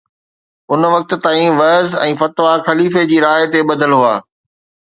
ان وقت تائين وعظ ۽ فتوا خليفي جي راءِ تي ٻڌل هئا